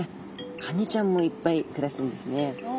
カニちゃんもいっぱい暮らしてるんですね。